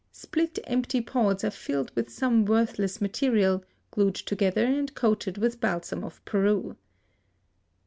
Split, empty pods are filled with some worthless material, glued together and coated with balsam of Peru.